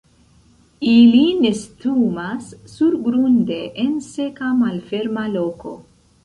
Ili nestumas surgrunde en seka malferma loko.